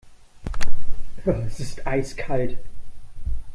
Es ist eiskalt.